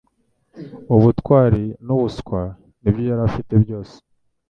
Ubutwari nubuswa nibyo yari afite byose.